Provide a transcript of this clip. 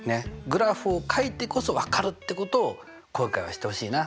グラフをかいてこそ分かるってことを今回は知ってほしいな。